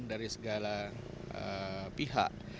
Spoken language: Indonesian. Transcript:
dari segala pihak